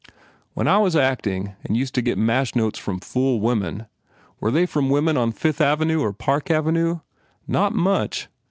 When I was acting and used to get mash notes from fool women, were they from women on Fifth Avenue or Park Avenue? Not much!